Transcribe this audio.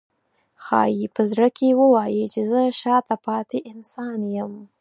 ښایي په زړه کې ووایي چې زه شاته پاتې انسان یم.